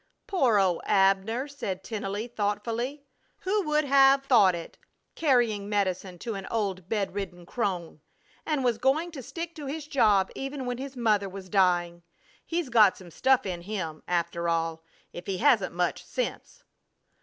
"Poor old Abner!" said Tennelly, thoughtfully. "Who would have thought it! Carrying medicine to an old bedridden crone! And was going to stick to his job even when his mother was dying! He's got some stuff in him, after all, if he hasn't much sense!"